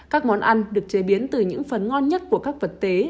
các món ăn được chế biến từ những phần ngon nhất của các vật tế